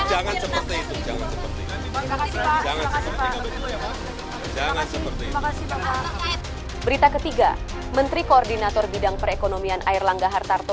telah menerima undangan dari menteri koordinator bidang perekonomian air langga hartarto